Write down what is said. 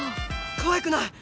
かわいくない。